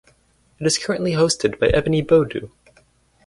It is currently hosted By Ebony Boadu.